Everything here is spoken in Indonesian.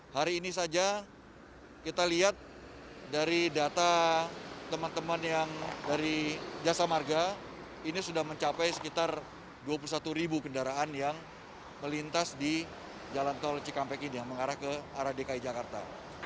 hari ini saja kita lihat dari data teman teman yang dari jasa marga ini sudah mencapai sekitar dua puluh satu ribu kendaraan yang melintas di jalan tol cikampek ini yang mengarah ke arah dki jakarta